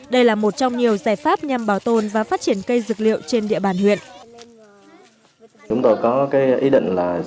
đây là một trong nhiều giải pháp nhằm phát triển kinh tế hộ gia đình